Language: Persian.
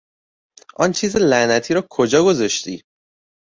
آن چیز لعنتی را کجا گذاشتی؟